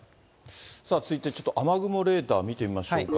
さあ続いて、雨雲レーダー見てみましょうか。